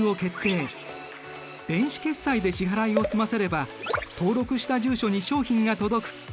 電子決済で支払いを済ませれば登録した住所に商品が届く。